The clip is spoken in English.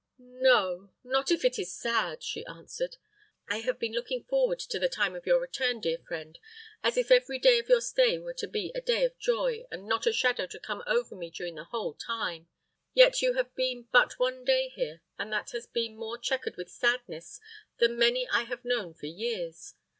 "No not if it is sad," she answered. "I have been looking forward to the time of your return, dear friend, as if every day of your stay were to be a day of joy, and not a shadow to come over me during the whole time. Yet you have been but one day here, and that has been more checkered with sadness than many I have known for years.